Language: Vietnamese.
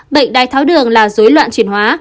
bệnh đài tháo đường là dối loạn chuyển hóa